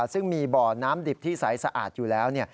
ซึ่งมีบ่อน้ำดิบที่ใสสะอาดอยู่แล้ว